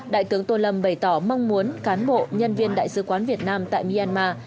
đại tướng tô lâm bày tỏ mong muốn cán bộ nhân viên đại sứ quán việt nam tại myanmar